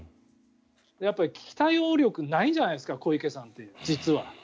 やっぱり危機対応能力ないんじゃないですか小池さんって実は。